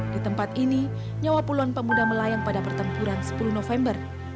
di tempat ini nyawa puluhan pemuda melayang pada pertempuran sepuluh november